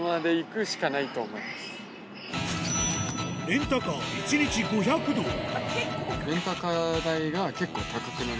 レンタカー１日５００ドル